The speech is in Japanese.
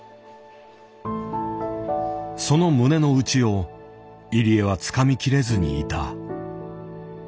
その胸の内を入江はつかみきれずにいた。